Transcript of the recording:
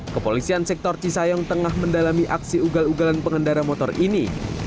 kepolisian sektor cisayong tengah mendalami aksi ugal ugalan pengendara motor ini